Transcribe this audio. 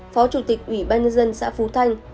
phó chủ tịch ủy ban nhân dân xã phú thanh